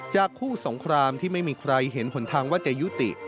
จากคู่สงครามที่ไม่มีใครเห็นหล่นทางวัฏยยุติ